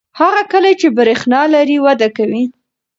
هغه کلی چې برېښنا لري وده کوي.